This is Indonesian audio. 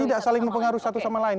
tidak saling mempengaruhi satu sama lain